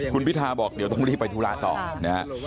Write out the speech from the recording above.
คุณพิทาบอกเดี๋ยวต้องรีบไปธุระต่อนะฮะ